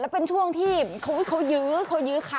แล้วเป็นช่วงที่เขายื้อคันนะคะ